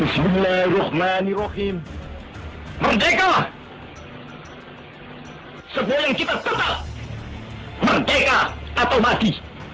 sebelum kita tetap merdeka atau mati